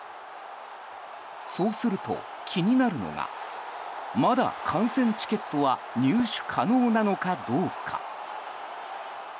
そうすると、気になるのがまだ観戦チケットは入手可能なのかどうか。